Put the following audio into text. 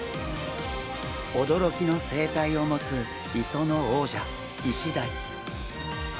おどろきの生態を持つ磯の王者イシダイ。